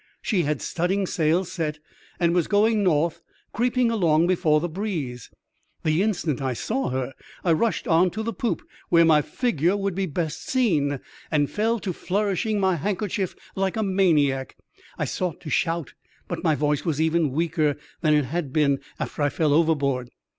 She had studding sails set and was going north, creeping along before the breeze. The instant I saw her I rushed on to the poop, where my figure would be best seen, and fell to flourishing my handkerchief like a maniac. I sought to shout, but my voice was even weaker than it had been after I fell overboard.